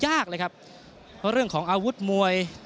ยากเลยครับเพราะเรื่องของอาวุธมวย